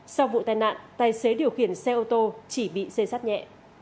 sau vụ tai nạn tài xế điều khiển xe ô tô chỉ bị xây sát nhẹ